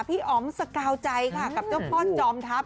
อ๋อมสกาวใจค่ะกับเจ้าพ่อจอมทัพ